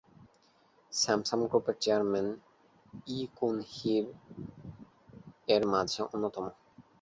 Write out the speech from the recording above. Samsung গ্রুপের chairman ই-কুন হি এর মাঝে অন্যতম।